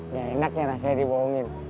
ya enaknya rasanya dibohongin